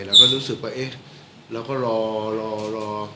เราก็รู้สึกว่าเอ๊ะเราก็รอรอ